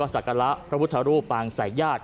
สักละพระพุทธรุปางศักดิ์ยาก